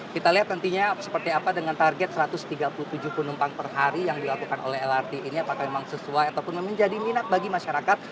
kita lihat nantinya seperti apa dengan target satu ratus tiga puluh tujuh penumpang per hari yang dilakukan oleh lrt ini apakah memang sesuai ataupun menjadi minat bagi masyarakat